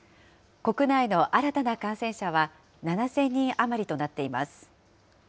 国内の新たな感染者は７０００人余りとなっています。